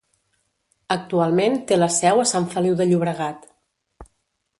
Actualment té la seu a Sant Feliu de Llobregat.